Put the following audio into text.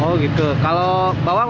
oh gitu kalau bawang